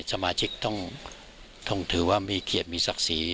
สมาชิกต้องถือว่ามีเกียรติมีศักดิ์ศรี